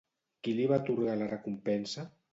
Qui li va atorgar la recompensa?